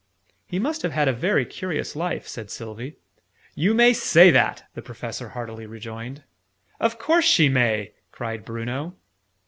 "He must have had a very curious life," said Sylvie. "You may say that!" the Professor heartily rejoined. "Of course she may!" cried Bruno.